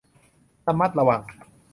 ระมัดระวัง